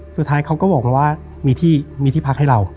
สุดท้ายเขาก็บอกมาว่ามีที่พักให้เรา